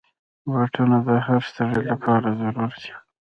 بوټونه د هر سړي لپاره ضرور دي.